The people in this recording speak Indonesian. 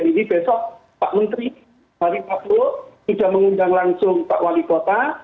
jadi besok pak menteri pak wali paklu sudah mengundang langsung pak wali kota